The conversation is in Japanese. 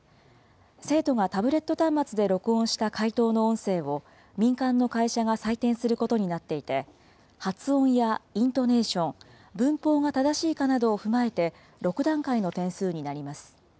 生徒がタブレット端末で録音した解答の音声を、民間の会社が採点することになっていて、発音やイントネーション、文法が正しいかなどを踏まえて、６段階の点数になります。